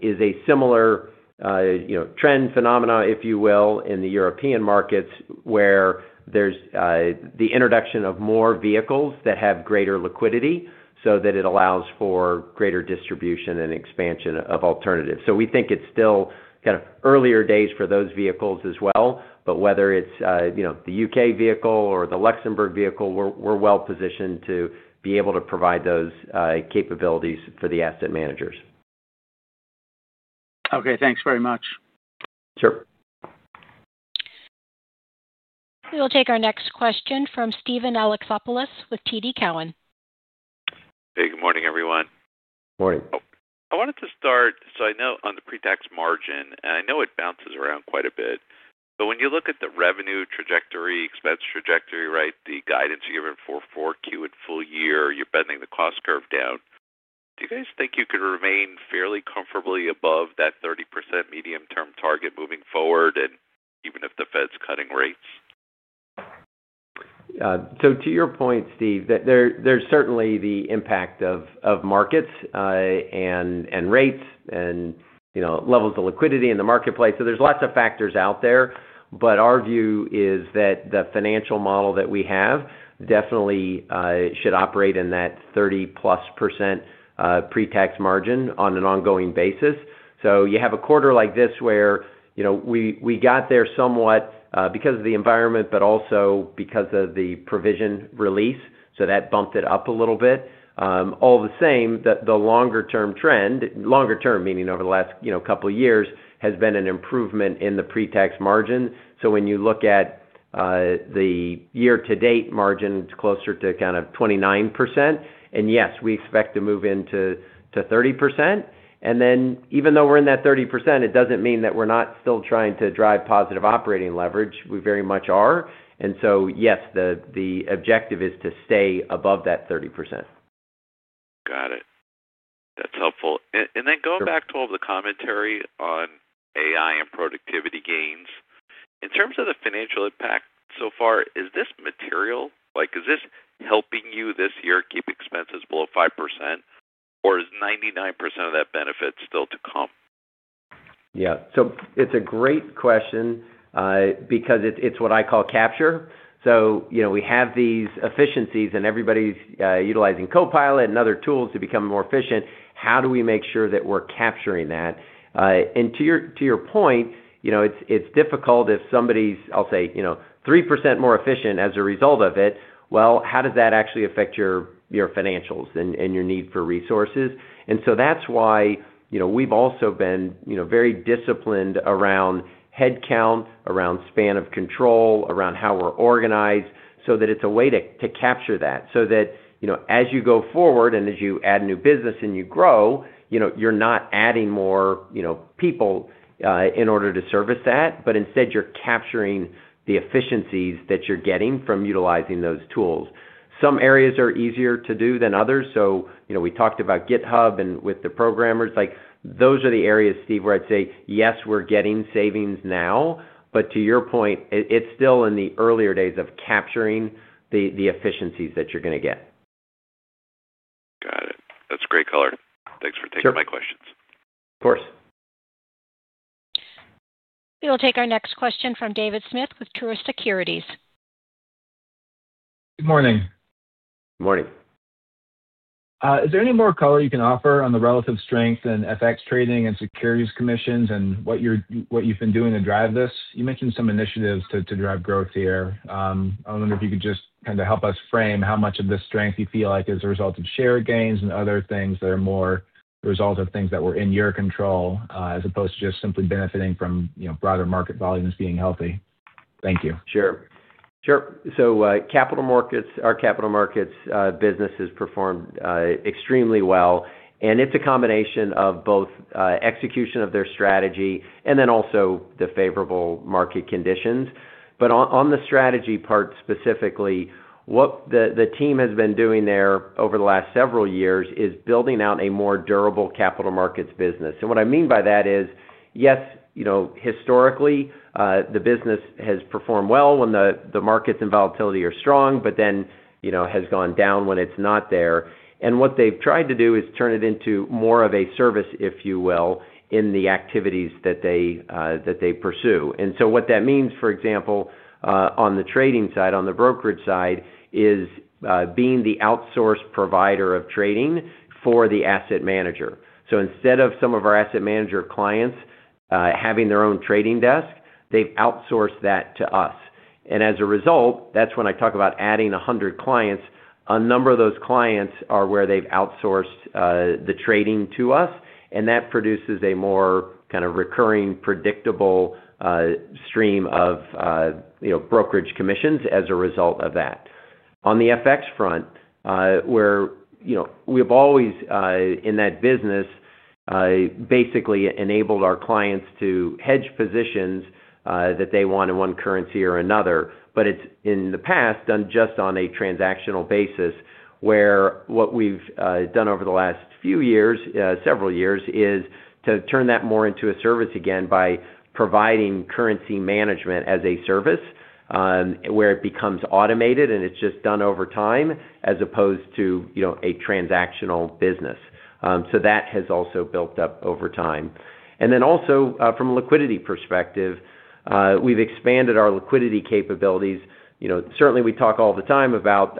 is a similar trend phenomenon, if you will, in the European markets where there's the introduction of more vehicles that have greater liquidity so that it allows for greater distribution and expansion of alternatives. We think it's still kind of earlier days for those vehicles as well. Whether it's the UK vehicle or the Luxembourg vehicle, we're well positioned to be able to provide those capabilities for the asset managers. Okay, thanks very much. Sure. We will take our next question from Steven Alexopoulos with TD Cowen. Hey, good morning, everyone. Morning. I wanted to start, I know on the pre-tax margin, and I know it bounces around quite a bit, but when you look at the revenue trajectory, expense trajectory, the guidance you're given for Q and full year, you're bending the cost curve down. Do you guys think you could remain fairly comfortably above that 30% medium-term target moving forward, even if the Fed's cutting rates? To your point, Steve, there's certainly the impact of markets and rates and, you know, levels of liquidity in the marketplace. There are lots of factors out there. Our view is that the financial model that we have definitely should operate in that 30+% pre-tax margin on an ongoing basis. You have a quarter like this where, you know, we got there somewhat because of the environment, but also because of the provision release. That bumped it up a little bit. All the same, the longer-term trend, longer-term meaning over the last, you know, couple of years, has been an improvement in the pre-tax margin. When you look at the year-to-date margin, it's closer to kind of 29%. Yes, we expect to move into 30%. Even though we're in that 30%, it doesn't mean that we're not still trying to drive positive operating leverage. We very much are. Yes, the objective is to stay above that 30%. Got it. That's helpful. Going back to all of the commentary on AI and productivity gains, in terms of the financial impact so far, is this material? Is this helping you this year keep expenses below 5%, or is 99% of that benefit still to come? Yeah. It's a great question, because it's what I call capture. We have these efficiencies and everybody's utilizing Copilot and other tools to become more efficient. How do we make sure that we're capturing that? To your point, it's difficult if somebody's, I'll say, 3% more efficient as a result of it. How does that actually affect your financials and your need for resources? That's why we've also been very disciplined around headcount, around span of control, around how we're organized so that it's a way to capture that. As you go forward and as you add new business and you grow, you're not adding more people in order to service that, but instead you're capturing the efficiencies that you're getting from utilizing those tools. Some areas are easier to do than others. We talked about GitHub and with the programmers, like those are the areas, Steve, where I'd say, yes, we're getting savings now. To your point, it's still in the earlier days of capturing the efficiencies that you're going to get. Got it. That's a great color. Thanks for taking my questions. Of course. We will take our next question from David Fox with Barclays. Good morning. Morning. Is there any more color you can offer on the relative strength in FX trading and securities commissions and what you've been doing to drive this? You mentioned some initiatives to drive growth here. I wonder if you could just help us frame how much of this strength you feel is a result of shared gains and other things that are more the result of things that were in your control as opposed to just simply benefiting from broader market volumes being healthy. Thank you. Sure. Capital markets, our capital markets businesses performed extremely well. It's a combination of both execution of their strategy and also the favorable market conditions. On the strategy part specifically, what the team has been doing there over the last several years is building out a more durable capital markets business. What I mean by that is, yes, historically, the business has performed well when the markets and volatility are strong, but then has gone down when it's not there. What they've tried to do is turn it into more of a service, if you will, in the activities that they pursue. What that means, for example, on the trading side, on the brokerage side, is being the outsourced provider of trading for the asset manager. Instead of some of our asset manager clients having their own trading desk, they've outsourced that to us. As a result, that's when I talk about adding 100 clients, a number of those clients are where they've outsourced the trading to us. That produces a more recurring, predictable stream of brokerage commissions as a result of that. On the FX front, we have always, in that business, basically enabled our clients to hedge positions that they want in one currency or another. In the past, it's been done just on a transactional basis. What we've done over the last few years, several years, is to turn that more into a service again by providing currency management as a service, where it becomes automated and it's just done over time as opposed to a transactional business. That has also built up over time. From a liquidity perspective, we've expanded our liquidity capabilities. We talk all the time about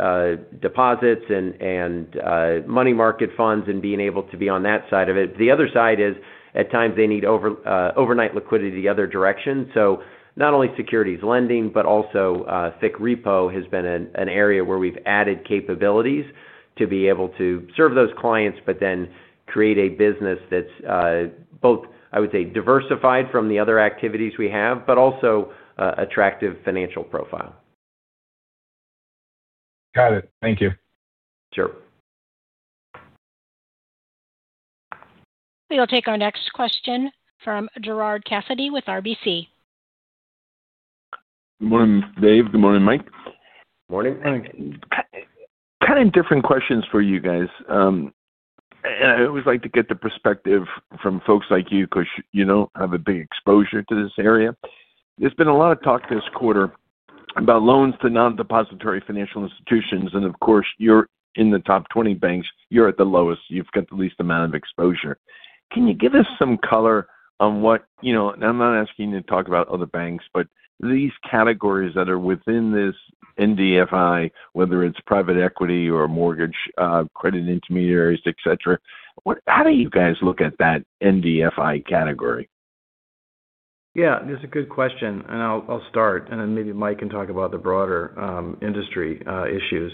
deposits and money market funds and being able to be on that side of it. The other side is at times they need overnight liquidity the other direction. Not only securities lending, but also, FICC repo has been an area where we've added capabilities to be able to serve those clients and create a business that's both diversified from the other activities we have and also an attractive financial profile. Got it. Thank you. Sure. We will take our next question from Gerard Cassidy with RBC. Good morning, Dave. Good morning, Mike. Morning. Morning. I have kind of different questions for you guys. I always like to get the perspective from folks like you because you don't have a big exposure to this area. There's been a lot of talk this quarter about loans to non-depository financial institutions. Of course, you're in the top 20 banks. You're at the lowest. You've got the least amount of exposure. Can you give us some color on what you know, and I'm not asking you to talk about other banks, but these categories that are within this NDFI, whether it's private equity or mortgage credit intermediaries, etc. How do you guys look at that NDFI category? That's a good question. I'll start, and then maybe Mike can talk about the broader industry issues.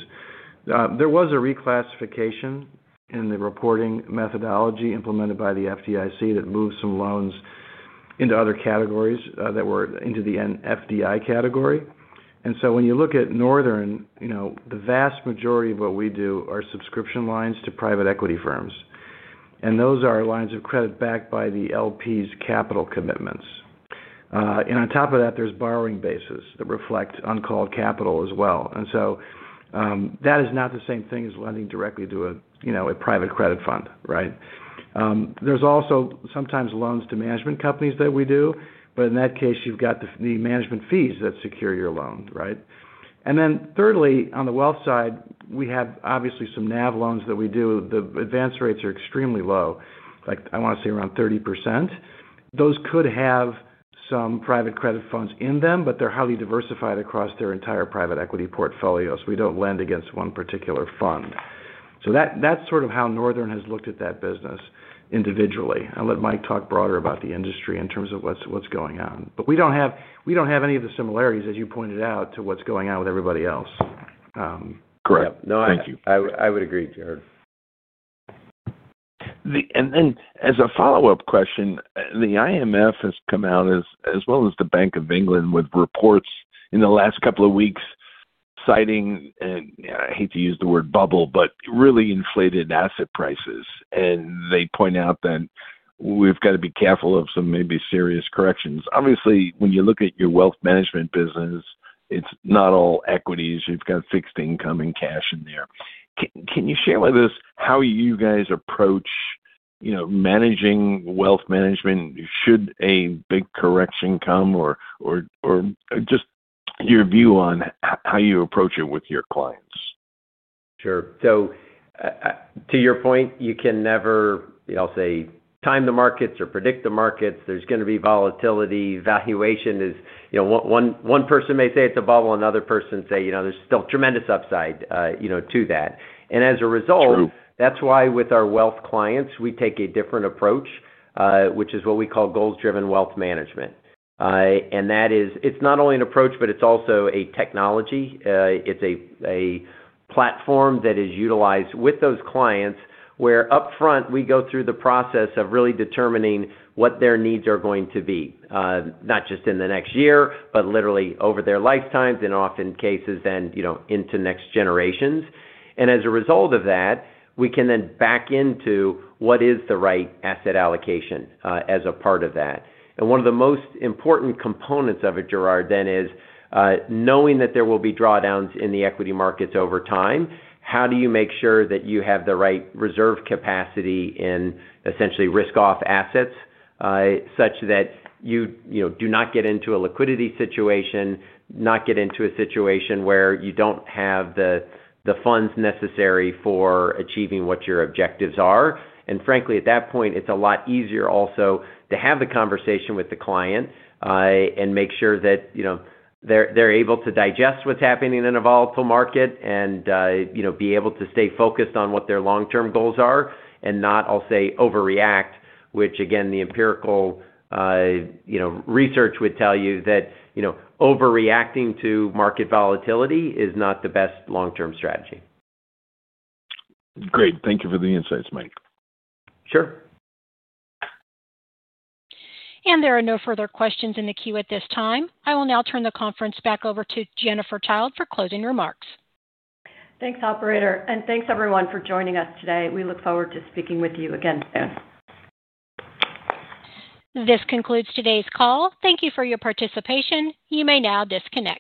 There was a reclassification in the reporting methodology implemented by the FDIC that moved some loans into other categories that were into the NDFI category. When you look at Northern, the vast majority of what we do are subscription lines to private equity firms. Those are lines of credit backed by the LP's capital commitments. On top of that, there's borrowing bases that reflect uncalled capital as well. That is not the same thing as lending directly to a private credit fund, right? There's also sometimes loans to management companies that we do. In that case, you've got the management fees that secure your loan, right? Thirdly, on the wealth side, we have obviously some NAV loans that we do. The advance rates are extremely low, like, I want to say around 30%. Those could have some private credit funds in them, but they're highly diversified across their entire private equity portfolio. We don't lend against one particular fund. That's sort of how Northern has looked at that business individually. I'll let Mike talk broader about the industry in terms of what's going on. We don't have any of the similarities, as you pointed out, to what's going on with everybody else. Correct. Yeah. Thank you. I would agree, Gerard. As a follow-up question, the IMF has come out as well as the Bank of England with reports in the last couple of weeks citing, and I hate to use the word bubble, but really inflated asset prices. They point out that we've got to be careful of some maybe serious corrections. Obviously, when you look at your wealth management business, it's not all equities. You've got fixed income and cash in there. Can you share with us how you guys approach managing wealth management should a big correction come, or just your view on how you approach it with your clients? Sure. To your point, you can never time the markets or predict the markets. There's going to be volatility. Valuation is, you know, one person may say it's a bubble, another person may say there's still tremendous upside to that. As a result, that's why with our wealth clients, we take a different approach, which is what we call goals-driven wealth management. That is, it's not only an approach, but it's also a technology. It's a platform that is utilized with those clients where upfront we go through the process of really determining what their needs are going to be, not just in the next year, but literally over their lifetimes and often cases then into next generations. As a result of that, we can then back into what is the right asset allocation as a part of that. One of the most important components of it, Gerard, is knowing that there will be drawdowns in the equity markets over time. How do you make sure that you have the right reserve capacity and essentially risk-off assets, such that you do not get into a liquidity situation, not get into a situation where you don't have the funds necessary for achieving what your objectives are? Frankly, at that point, it's a lot easier also to have the conversation with the client and make sure that they're able to digest what's happening in a volatile market and be able to stay focused on what their long-term goals are and not overreact, which again, the empirical research would tell you that overreacting to market volatility is not the best long-term strategy. Great. Thank you for the insights, Mike. Sure. There are no further questions in the queue at this time. I will now turn the conference back over to Jennifer Childe for closing remarks. Thanks, Operator, and thanks everyone for joining us today. We look forward to speaking with you again soon. This concludes today's call. Thank you for your participation. You may now disconnect.